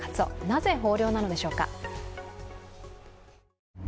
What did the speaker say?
なぜ豊漁なのでしょうか。